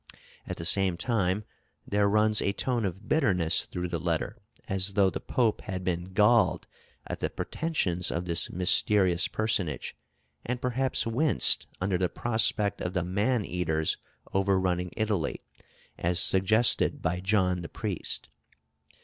At the same time, there runs a tone of bitterness through the letter, as though the Pope had been galled at the pretensions of this mysterious personage, and perhaps winced under the prospect of the man eaters overrunning Italy, as suggested by John the Priest.